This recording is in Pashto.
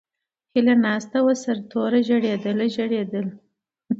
ھیلہ ناستہ وہ سر توریی ژڑیدلہ، ژڑیدلہ